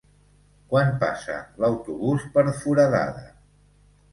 Quan passa l'autobús per Foradada?